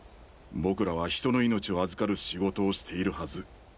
僕らは人の命を預かる仕事をしているはず。